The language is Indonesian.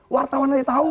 wartawan aja tahu